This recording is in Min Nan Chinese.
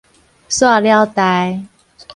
煞了代